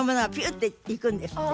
ッていくんですって。